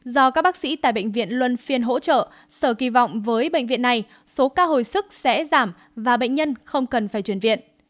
do các bác sĩ tại bệnh viện luân phiên hỗ trợ sở kỳ vọng với bệnh viện này số ca hồi sức sẽ giảm và bệnh nhân không cần phải chuyển viện